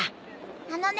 あのね。